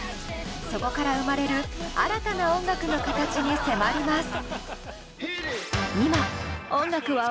そこから生まれる新たな音楽の形に迫ります。